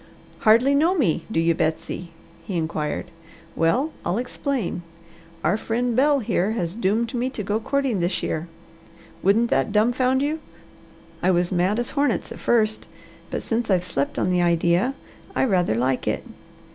"Hardly know me, do you, Betsy?" he inquired. "Well, I'll explain. Our friend Bel, here, has doomed me to go courting this year. Wouldn't that durnfound you? I was mad as hornets at first, but since I've slept on the idea, I rather like it.